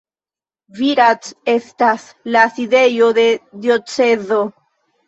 Virac estas la sidejo de diocezo.